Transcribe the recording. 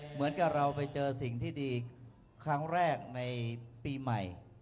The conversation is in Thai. เหมือนกับเราไปเจอสิ่งที่ดีครั้งแรกในปีใหม่